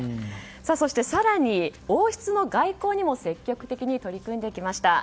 そして、更に王室の外交にも積極的に取り組んできました。